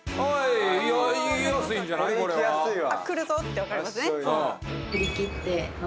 これいきやすいわ。